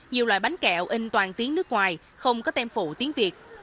nhiều loại bánh kẹo in toàn tiếng nước ngoài không có tem phụ tiếng việt